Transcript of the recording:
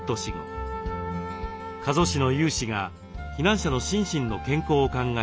加須市の有志が避難者の心身の健康を考え